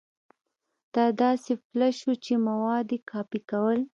دا داسې فلش و چې مواد يې کاپي کول.